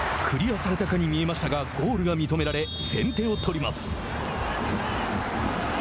クリアされたかに見えましたがゴールが認められ先手を取ります。